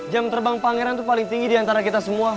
jam terbang pangeran itu paling tinggi diantara kita semua